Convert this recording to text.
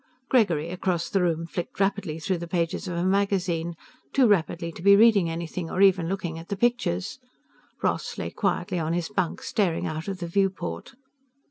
Gregory, across the room, flicked rapidly through the pages of a magazine, too rapidly to be reading anything, or even looking at the pictures. Ross lay quietly on his bunk, staring out of the viewport.